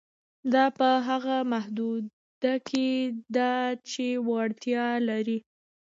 دا په هغه محدوده کې ده چې وړتیا لري.